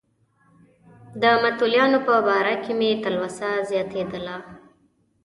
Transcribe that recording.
د متولیانو په باره کې مې تلوسه زیاتېدله.